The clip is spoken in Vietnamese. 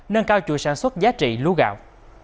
nâng cao chuỗi sản xuất giá trị lúa gạo